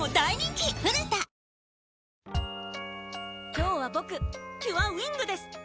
今日はボクキュアウィングです！